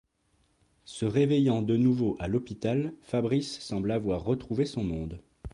Se réveillant de nouveau à l'hôpital, Fabrice semble avoir retrouvé son monde.